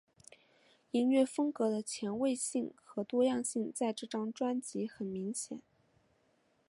音乐风格的前卫性和多样性在这张专辑很明显。